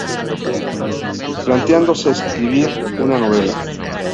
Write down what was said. Planteándose escribir una novela.